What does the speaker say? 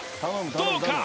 どうか？